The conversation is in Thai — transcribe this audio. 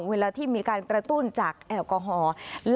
เวลาที่มีการกระตุ้นจากแอลกอฮอล์